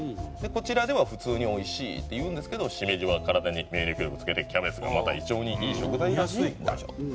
こちらでは普通に「美味しい」って言うんですけど「しめじは体に免疫力をつけてキャベツがまた胃腸にいい食材らしいんだよ」。